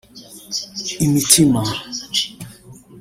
imitima